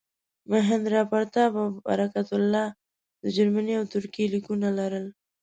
مهیندراپراتاپ او برکت الله د جرمني او ترکیې لیکونه لرل.